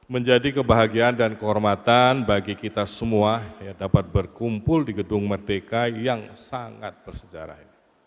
menjadi kebahagiaan dan kehormatan bagi kita semua dapat berkumpul di gedung merdeka yang sangat bersejarah